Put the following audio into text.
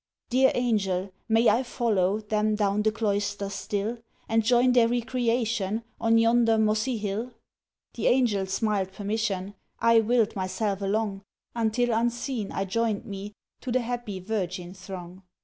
"Dear Angel! may I follow Them, down the Cloister still, And join their recreation, On yonder mossy hill?" The Angel smiled permission; I willed myself along, Until unseen, I joined me To th' happy, Virgin throng.